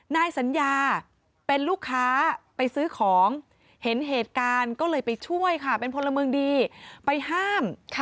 นายสัญญาเป็นลูกค้าไปซื้อของเห็นเหตุการณ์ก็เลยไปช่วยค่ะเป็นพลเมืองดีไปห้าม